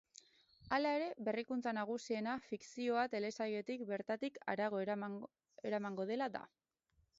Hala ere, berrikuntza nagusiena fikzioa telesailetik bertatik harago eramango dela da.